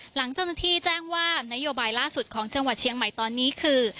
หลังเจ้าหน้าที่แจ้งว่านโยบายล่าสุดของจังหวัดเชียงใหม่ตอนนี้คือ